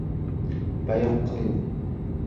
Bayroq qilib